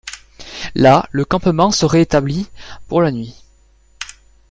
Là, le campement serait établi pour la nuit.